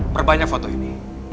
perbanyak foto ini